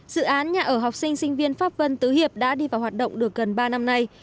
dự án nhà ở học sinh sinh viên pháp vân tứ hiệp đã đi vào hoạt động được gần ba năm nay